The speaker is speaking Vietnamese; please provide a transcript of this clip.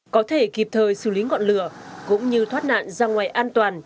có thể kịp thời xử lý ngọn lửa cũng như thoát nạn ra ngoài an toàn